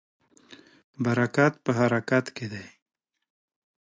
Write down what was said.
برکت په حرکت کې دی.